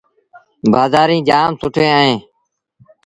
بآزآريٚݩ جآم سُٺيٚن اهيݩ۔